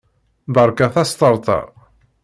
Berkat asṭerṭer!